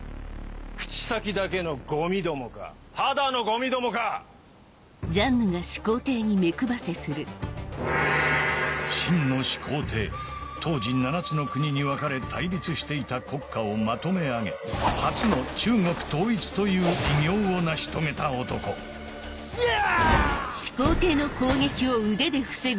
口先だけのゴミどもかただのゴミどもか⁉秦の始皇帝当時７つの国に分かれ対立していた国家をまとめ上げ初の中国統一という偉業を成し遂げた男ヤ！